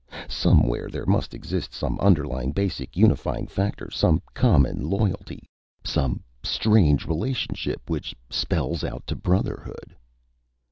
Somewhere there must exist some underlying, basic unifying factor, some common loyalty, some strange relationship which spells out to brotherhood."